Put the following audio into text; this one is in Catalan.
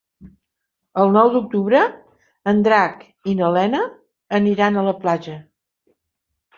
El nou d'octubre en Drac i na Lena aniran a la platja.